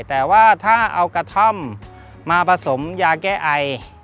แต่ว่าถ้าเอากระท่อมมาผสมยาแก้ไอ